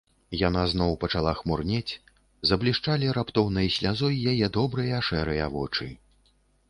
Яна зноў пачала хмурнець, заблішчалі раптоўнай слязой яе добрыя шэрыя вочы.